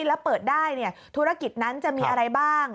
แล้วเปิดได้ธุรกิจนั้นจะมีอะไรบ้าง